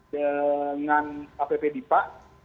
dengan app bipa